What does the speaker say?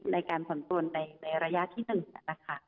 ในการผ่อนปลนในระยะที่๑นะคะ